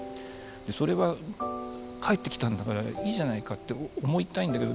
それは帰ってきたんだからいいじゃないかって思いたいんだけど